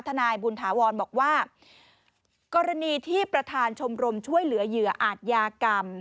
นายบุญถาวรบอกว่ากรณีที่ประธานชมรมช่วยเหลือเหยื่ออาจยากรรม